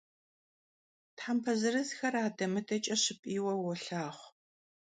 Thempe zırızxer ade - mıdeç'e şıp'iyue vuolhağu.